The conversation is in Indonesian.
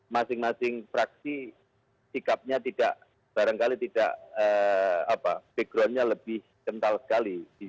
masing masing fraksi sikapnya tidak barangkali tidak backgroundnya lebih kental sekali